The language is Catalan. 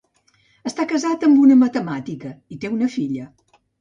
Està casat amb una matemàtica i té una filla.